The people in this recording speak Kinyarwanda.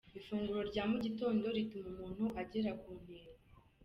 Ifunguro rya mu gitondo rituma umuntu agera ku ntego.